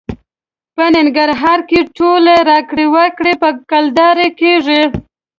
په ننګرهار کې ټولې راکړې ورکړې په کلدارې کېږي.